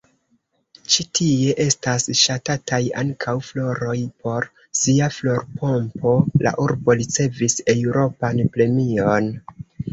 Ĉi tie estas ŝatataj ankaŭ floroj: por sia florpompo la urbo ricevis Eŭropan Premion.